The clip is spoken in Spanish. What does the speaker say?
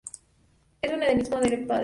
Es un endemismo de Nepal.